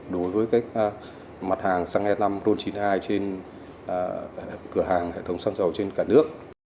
đối với mặt hàng xăng e năm một chín hai trên cửa hàng hệ thống xăng dầu trên cả nước